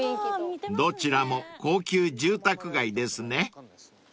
［どちらも高級住宅街ですね］